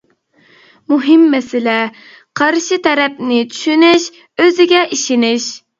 مۇھىم مەسىلە: قارشى تەرەپنى چۈشىنىش، ئۆزىگە ئىشىنىش.